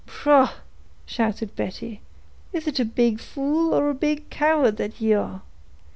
"Pshaw!" shouted Betty, "is it a big fool or a big coward that ye are?